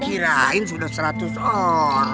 kirain sudah seratus orang